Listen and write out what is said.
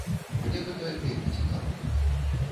Мне гэта вельмі цікава.